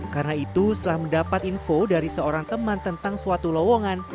karena itu setelah mendapat info dari seorang teman tentang suatu lowongan